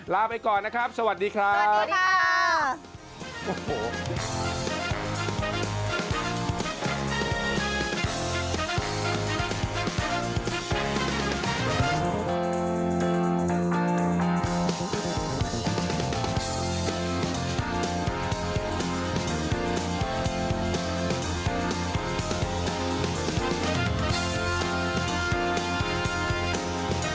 ลาไปก่อนนะครับสวัสดีครับสวัสดีค่ะ